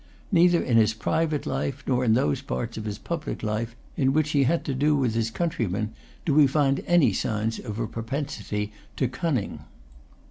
Neither in his private life, nor in those parts of his public life in which he had to do with his countrymen, do we find any signs of a propensity to cunning.